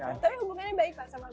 tapi hubungannya baik pak sama